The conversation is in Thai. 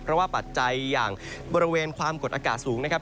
เพราะว่าปัจจัยอย่างบริเวณความกดอากาศสูงนะครับ